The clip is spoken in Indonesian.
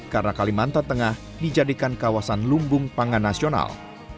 karena kalimantan tengah dijadikan kawasan lumbung pangan nasional